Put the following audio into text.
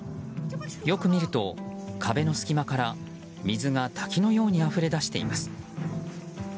よく見ると、壁の隙間から水が滝のようにあふれ出しています。